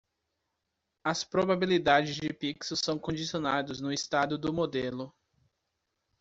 As probabilidades de pixel são condicionadas no estado do modelo.